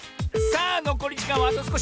あのこりじかんはあとすこし！